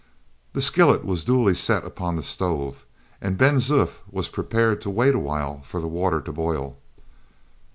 The skillet was duly set upon the stove, and Ben Zoof was prepared to wait awhile for the water to boil.